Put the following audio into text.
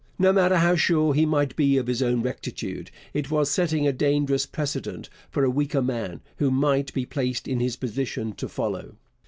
No matter how sure he might be of his own rectitude, it was setting a dangerous precedent for a weaker man, who might be placed in his position, to follow.